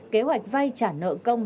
kế hoạch vay trả nợ công